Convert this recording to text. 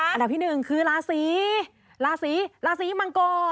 อันดับที่หนึ่งคือราศีราศีมังกร